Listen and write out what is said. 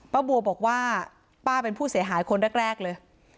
บัวบอกว่าป้าเป็นผู้เสียหายคนแรกเลย